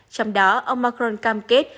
trong đó ông macron cam kết